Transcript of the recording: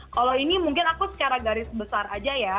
kalau ini mungkin aku secara garis besar aja ya